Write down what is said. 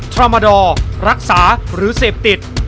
ทรมาดรรักษาหรือเสพติด